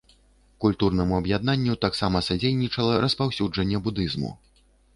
Культурнаму аб'яднанню таксама садзейнічала распаўсюджанне будызму.